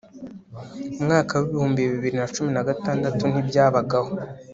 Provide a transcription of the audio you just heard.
mwaka w'ibihumbi bibiri na cumi na gatandatu ntibyabagaho